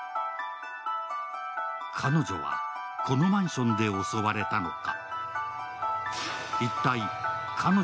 彼女は、このマンションで襲われたのか。